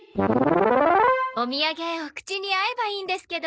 お土産お口に合えばいいんですけど。